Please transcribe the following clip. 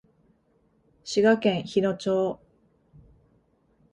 滋賀県日野町